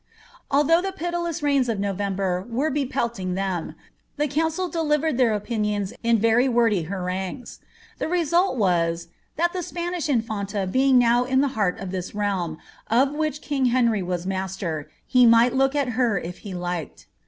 Although the pitiless rains of No vember were be pelting them, the council delivered their opinions in very wordy harangues. The result was, ^ that the Spanish inumta being now in the heart of this realm, of which king Henry was master, he might look at her if he liked.''